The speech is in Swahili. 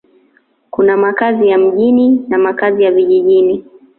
Kuna makazi ya mjini na makazi ya vijijini.